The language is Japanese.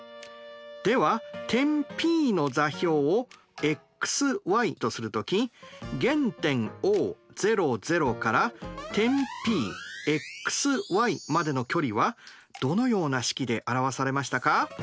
では点Ｐの座標をとする時原点Ｏから点Ｐまでの距離はどのような式で表されましたか？